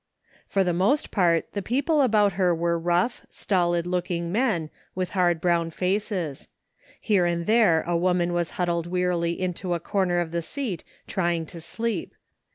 For the most part the people about her were rough, stolid looking men, with hard brown faces. Here and there a woman was huddled wearily into a comer 7 THE FINDING OP JASPER HOLT of the seat trying to sleep.